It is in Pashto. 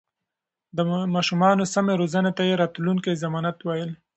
د ماشومانو سمې روزنې ته يې د راتلونکي ضمانت ويل.